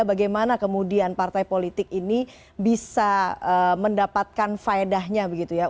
bagaimana kemudian partai politik ini bisa mendapatkan faedahnya begitu ya